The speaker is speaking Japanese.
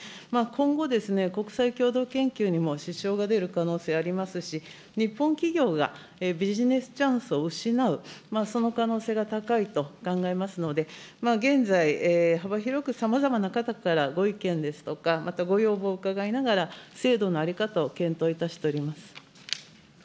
今後、国際共同研究にも支障が出る可能性ありますし、日本企業がビジネスチャンスを失う、その可能性が高いと考えますので、現在、幅広くさまざまな方からご意見ですとか、またご要望を伺いながら、制度の在り方を検討いたしております。